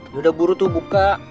ini udah buru tuh buka